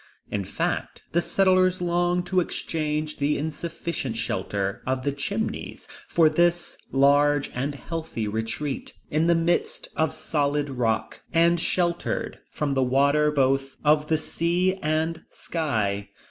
In fact, the settlers longed to exchange the insufficient shelter of the Chimneys for this large and healthy retreat, in the midst of solid rock, and sheltered from the water both of the sea and sky.